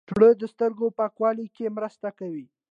ژړا د سترګو پاکولو کې مرسته کوي